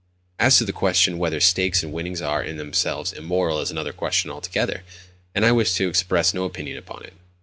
As to the question whether stakes and winnings are, in themselves, immoral is another question altogether, and I wish to express no opinion upon it.